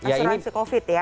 asuransi covid ya